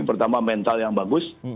pertama mental yang bagus